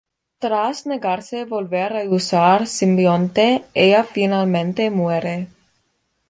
Tras negarse volver a usar su simbionte, ella finalmente muere.